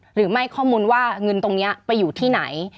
หรือไม่ข้อมูลว่าเงินตรงนี้ไปอยู่ที่ไหน